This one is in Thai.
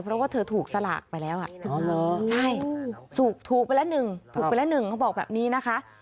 เพราะว่าเธอถูกสลากไปแล้วใช่ถูกไปละ๑ถูกไปละหนึ่งเขาบอกแบบนี้นะคะ